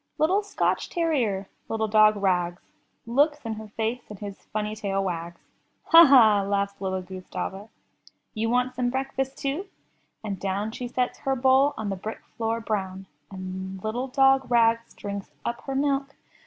Little Scotch terrier, little dog Rags, Looks in her face and his funny tail wags. ''Ha! ha! laughs little Gustava. "You want some breakfast too? and down She sets her bowl on the brick floor, brown; And little dog Rags drinks up her milk.